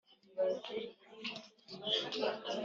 Niba ubona ko wahawe